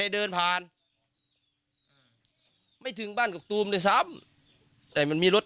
เดินผ่านอ่าไม่ถึงบ้านกกตูมด้วยซ้ำแต่มันมีรถ